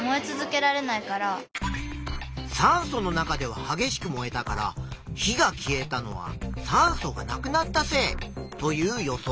酸素の中でははげしく燃えたから火が消えたのは酸素がなくなったせいという予想。